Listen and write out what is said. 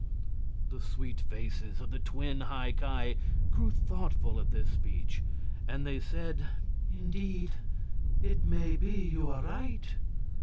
The sweet faces of the twin High Ki grew thoughtful at this speech, and they said: "Indeed, it may be you are right.